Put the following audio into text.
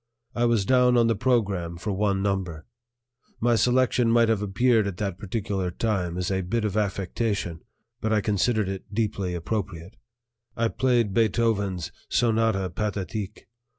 I was down on the program for one number. My selection might have appeared at that particular time as a bit of affectation, but I considered it deeply appropriate; I played Beethoven's "Sonata Pathétique."